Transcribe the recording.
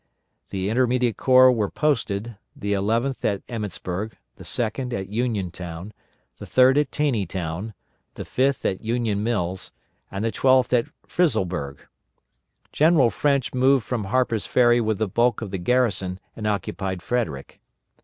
The intermediate corps were posted, the Eleventh at Emmetsburg; the Second at Uniontown; the Third at Taneytown; the Fifth at Union Mills, and the Twelfth at Frizzelburg. General French moved from Harper's Ferry with the bulk of the garrison and occupied Frederick.